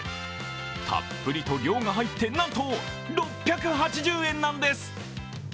たっぷりと量が入ってなんと６８０円なんです。